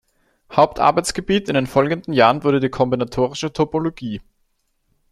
Hauptarbeitsgebiet in den folgenden Jahren wurde die kombinatorische Topologie.